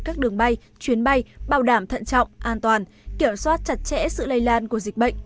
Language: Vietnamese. các đường bay chuyến bay bảo đảm thận trọng an toàn kiểm soát chặt chẽ sự lây lan của dịch bệnh